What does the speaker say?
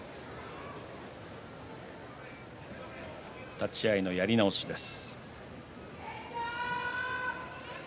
立ち合いのやり直しです。